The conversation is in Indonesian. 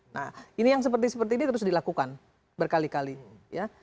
nah ini yang seperti seperti ini terus dilakukan berkali kali ya